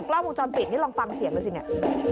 กล้องมุมจำปิดนี่ลองฟังเสียงหน่อยสินี่